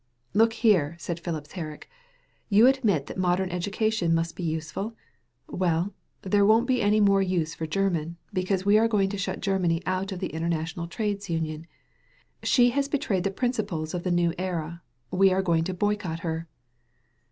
*'Look here/' said Fhipps Herrick, *'you admit that modem education must be useful ? Well, there won't be any more use for German, because we are going to shut Germany out of the international trades union. She has betrayed the principles of the new era. We are going to boycott her."